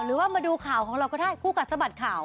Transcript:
หรือว่ามาดูข่าวของเราก็ได้คู่กัดสะบัดข่าว